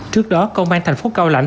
trước đó công an thành phố cao lạnh